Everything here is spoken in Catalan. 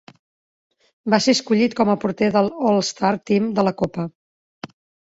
Va ser escollit com a porter del All-Star Team de la Copa.